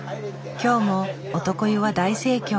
今日も男湯は大盛況。